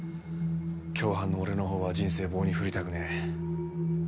共犯の俺のほうは人生を棒に振りたくねえ。